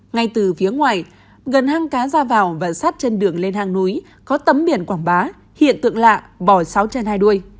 ngay từ phía ngoài gần hang cá ra vào và sát chân đường lên hang núi có tấm biển quảng bá hiện tượng lạ bò sáu chân hai đuôi